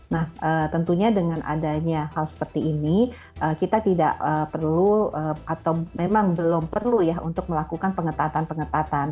nah tentunya dengan adanya hal seperti ini kita tidak perlu atau memang belum perlu ya untuk melakukan pengetatan pengetatan